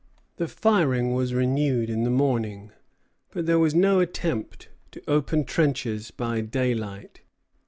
The firing was renewed in the morning, but there was no attempt to open trenches by daylight.